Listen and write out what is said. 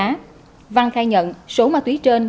tại cơ quan điều tra đức khai nhận số ma túy trên